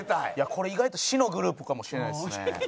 これ意外と死のグループかもしれないですね。